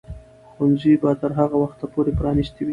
ښوونځي به تر هغه وخته پورې پرانیستي وي.